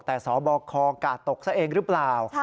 แต่สบคกาดตกซะเองหรือเปล่า